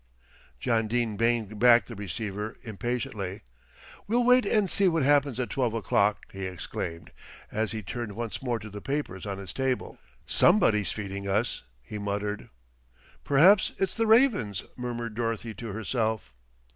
John Dene banged back the receiver impatiently. "We'll wait and see what happens at twelve o'clock," he exclaimed, as he turned once more to the papers on his table. "Somebody's feeding us," he muttered. "Perhaps it's the ravens," murmured Dorothy to herself.